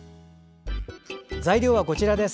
材料はこちらです。